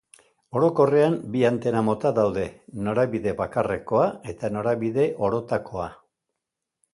Orokorrean bi antena-mota daude: Norabide bakarrekoa eta norabide orotakoa.